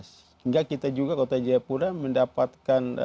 sehingga kita juga kota jayapura mendapatkan